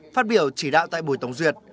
phát biểu chỉ đạo tại buổi tổng duyệt